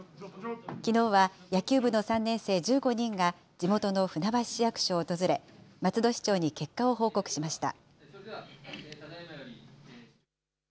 きのうは野球部の３年生１５人が、地元の船橋市役所を訪れ、松戸市長に結果を報告しました。